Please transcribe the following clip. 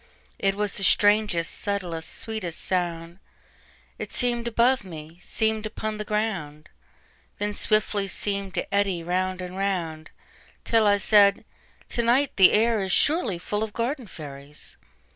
It was the strangest, subtlest, sweetest sound:It seem'd above me, seem'd upon the ground, Then swiftly seem'd to eddy round and round, Till I said: "To night the air isSurely full of garden fairies."